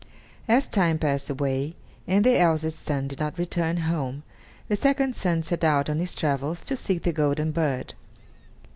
As time passed away, and the eldest son did not return home, the second son set out on his travels to seek the golden bird.